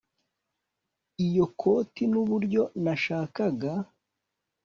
iyo koti nuburyo nashakaga